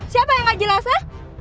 siapa yang gak jelas ya